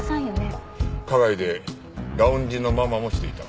花街でラウンジのママもしていた。